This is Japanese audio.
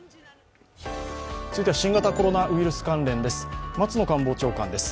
続いては新型コロナウイルス関連です。